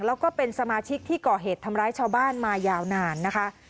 แล้วก็เป็นสมาชิกที่ก่อเหตุทำร้ายชาวบ้านมายาวนานนะคะ